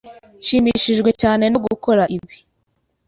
Nshimishijwe cyane no gukora ibi.